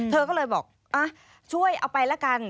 เธอก็เลยบอกช่วยเอาไปละกัน